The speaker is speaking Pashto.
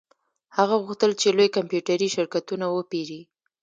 هغه غوښتل چې لوی کمپیوټري شرکتونه وپیري